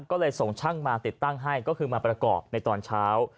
ก็เลยส่งช่างมาติดตั้งให้ก็คือมาประกอบในตอนเช้า